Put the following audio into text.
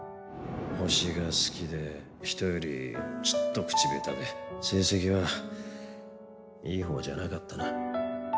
星が好きでヒトよりちっと口下手で成績はいいほうじゃなかったな